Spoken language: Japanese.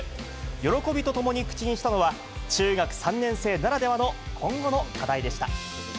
喜びとともに口にしたのは、中学３年生ならではの今後の課題でした。